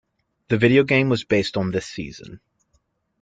The video game was based on this season.